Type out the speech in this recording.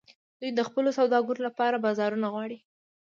دوی د خپلو سوداګرو لپاره بازارونه غواړي